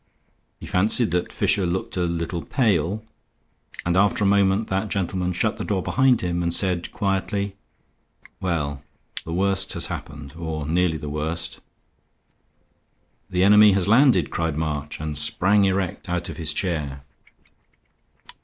He fancied that Fisher looked a little pale; and after a moment that gentleman shut the door behind him and said, quietly: "Well, the worst has happened. Or nearly the worst." "The enemy has landed," cried March, and sprang erect out of his chair.